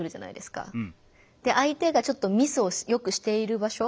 相手がちょっとミスをよくしている場所